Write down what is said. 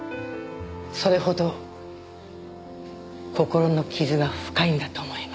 それほど心の傷が深いんだと思います。